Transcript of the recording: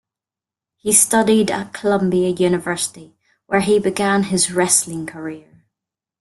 He studied at Columbia University where he began his wrestling career.